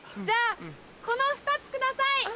じゃあこの２つください！